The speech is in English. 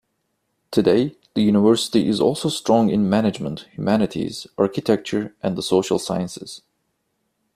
Today, the university is also strong in management, humanities, architecture and the social sciences.